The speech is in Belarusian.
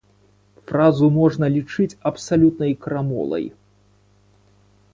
Фразу можна лічыць абсалютнай крамолай.